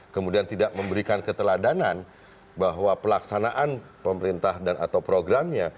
kemudian tidak memberikan keteladanan bahwa pelaksanaan pemerintah dan atau programnya